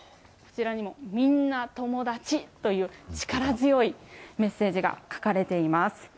こちらにもみんな友だちという力強いメッセージが書かれています。